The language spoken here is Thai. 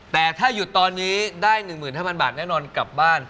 แต่ถ้าหยุดตอนนี้ได้หนึ่งหมื่นห้าพันบาทแน่นอนกลับบ้าน